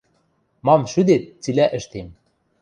– Мам шӱдет, цилӓ ӹштем...